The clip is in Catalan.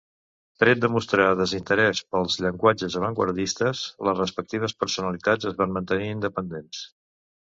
Tret de mostrar desinterès pels llenguatges avantguardistes, les respectives personalitats es van mantenir independents.